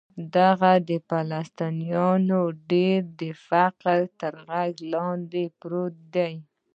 د دغو فلسطینیانو ډېری د فقر تر غره لاندې پراته دي.